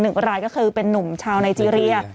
รายก็คือเป็นนุ่มชาวไนเจรีย